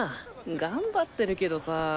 頑張ってるけどさぁ。